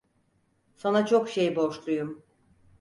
Sana çok şey borçluyum.